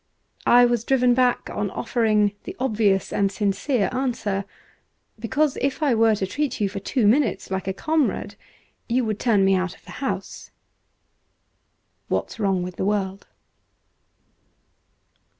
I was driven back on offering the obvious and sincere answer :' Because if I were to treat you for two minutes like a comrade, you would turn me out of the house.' ' What's Wrong with the World.''